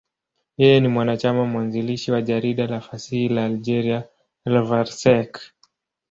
Yeye ni mwanachama mwanzilishi wa jarida la fasihi la Algeria, L'Ivrescq.